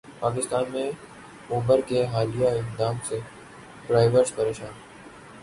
پاکستان میں اوبر کے حالیہ اقدام سے ڈرائیورز پریشان